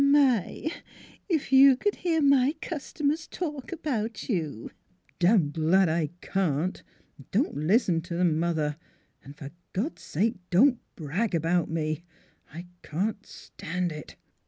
" My ! if you c'd hear my customers talk about you !"" Damned glad I can't! ... Don't listen to 'em, mother; and for God's sake, don't brag about me ! I can't stand it."